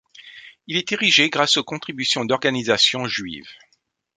Il est érigé grâce aux contributions d'organisations juives.